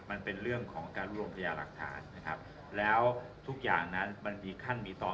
มันเป็นเรื่องของการรวมพยาหลักฐานนะครับแล้วทุกอย่างนั้นมันมีขั้นมีตอน